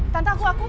tante aku aku